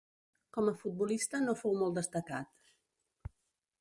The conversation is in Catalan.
Com a futbolista no fou molt destacat.